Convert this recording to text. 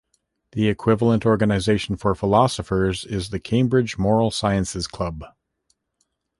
The equivalent organisation for philosophers is the Cambridge Moral Sciences Club.